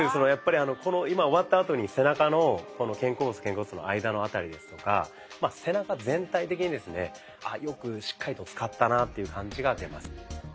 この今終わったあとに背中の肩甲骨と肩甲骨の間の辺りですとか背中全体的にですねよくしっかりと使ったなという感じが出ます。